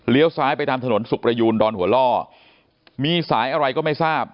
ซ้ายไปตามถนนสุขประยูนดอนหัวล่อมีสายอะไรก็ไม่ทราบ